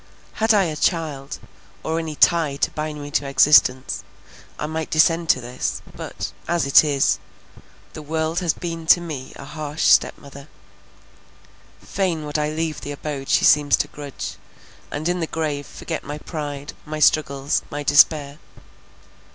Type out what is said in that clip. Had I a child, or any tie to bind me to existence, I might descend to this—but, as it is—the world has been to me a harsh step mother; fain would I leave the abode she seems to grudge, and in the grave forget my pride, my struggles, my despair.